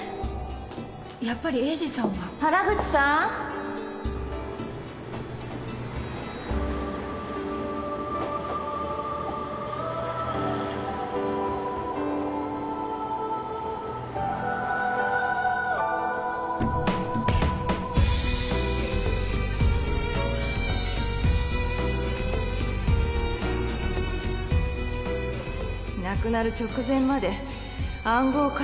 やっぱり栄治さんは原口さん亡くなる直前まで暗号を書いて遊んでたのよ